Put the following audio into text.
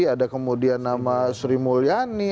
ada kemudian nama sri mulyani